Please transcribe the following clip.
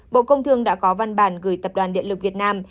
bộ công thương đã có văn bản gửi tập đoàn điện lực việt nam